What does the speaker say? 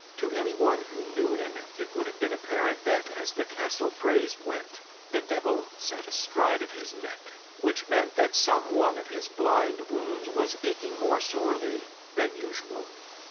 To anyone who knew him it would have been apparent that, as the castle phrase went, "the devil sat astride of his neck," which meant that some one of his blind wounds was aching more sorely than usual.